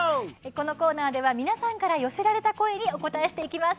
このコーナーでは皆さんから寄せられた声にお応えしていきます。